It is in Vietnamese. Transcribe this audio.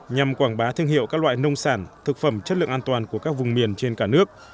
nhằm quảng bá thương hiệu các loại nông sản thực phẩm chất lượng an toàn của các vùng miền trên cả nước